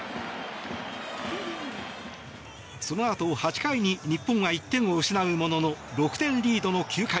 そのあと、８回に日本は１点を失うものの６点リードの９回。